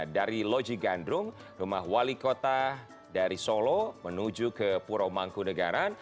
dari loji gandrung rumah wali kota dari solo menuju ke puro mangkunagaran